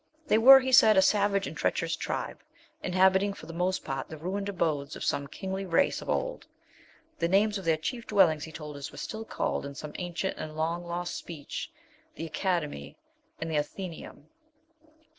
They were, he said, a savage and treacherous tribe, inhabiting for the most part the ruined abodes of some kingly race of old. The names of their chief dwellings, he told us, were still called, in some ancient and long lost speech, 'The Academy,' and 'The Athenæum.'